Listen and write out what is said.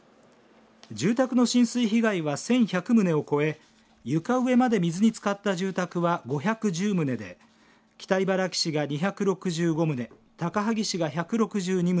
住宅の浸水被害は１１００棟を超え床上まで水につかった住宅は５１０棟で北茨城市が２６５棟高萩市が１６２棟